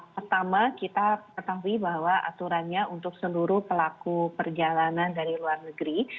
pertama kita ketahui bahwa aturannya untuk seluruh pelaku perjalanan dari luar negeri